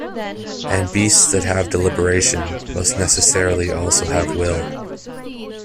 And beasts that have deliberation, must necessarily also have will.